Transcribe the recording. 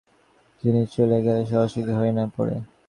যে মানুষের সুখ বাহিরে, বাহিরের জিনিষ চলিয়া গেলেই সে অসুখী হইয়া পড়ে।